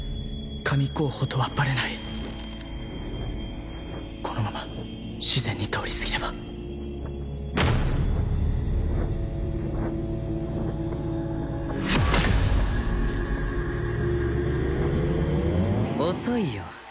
神候補とはバレないこのまま自然に通り過ぎれば遅いよ